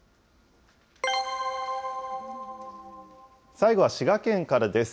最後は滋賀県からです。